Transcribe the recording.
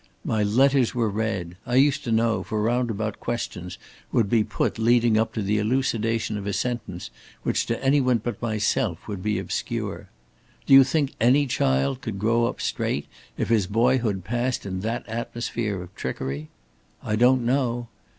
My letters were read I used to know, for roundabout questions would be put leading up to the elucidation of a sentence which to any one but myself would be obscure! Do you think any child could grow up straight, if his boyhood passed in that atmosphere of trickery? I don't know.